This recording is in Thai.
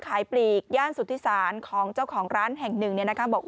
ขายปลีกย่านสุธิศาลของเจ้าของร้านแห่งหนึ่งเนี่ยนะคะบอก